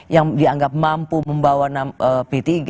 yang dianggap mampu membawa p tiga